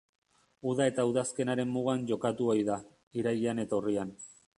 Uda eta udazkenaren mugan jokatu ohi da, irailean eta urrian.